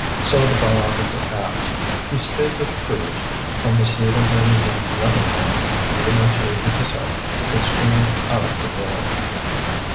So the biographer adds: "He spake of trees, from the cedar that is in Lebanon even unto the hyssop that springeth out of the wall."